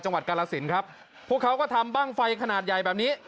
กาลสินครับพวกเขาก็ทำบ้างไฟขนาดใหญ่แบบนี้